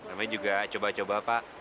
namanya juga coba coba pak